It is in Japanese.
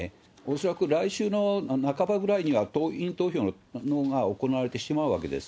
恐らく来週の半ばぐらいには、党員投票が行われてしまうわけです。